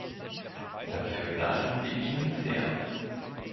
Dafür danken wir Ihnen sehr.